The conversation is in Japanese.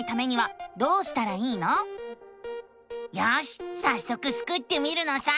よしさっそくスクってみるのさ！